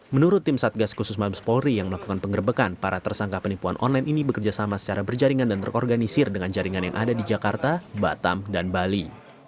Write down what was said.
menurut tim satgas khusus mabes polri yang melakukan pengerebekan para tersangka penipuan online ini bekerja sama secara berjaringan dan terorganisir dengan jaringan yang ada di jakarta batam dan bali